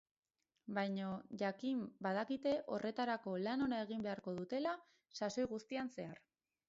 Baina, jakin badakite horretarako lan ona egin beharko dutela sasoi guztian zehar.